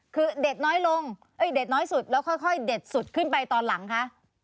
คือเด็กน้อยลงเด็กน้อยสุดแล้วค่อยเด็ดสุดขึ้นไปตอนหลังคะ